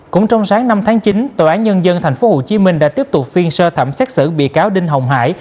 cũng trong sáng năm tháng chín tòa án nhân dân tp hcm đã tiếp tục phiên sơ thẩm xét xử bị cáo đinh hồng hải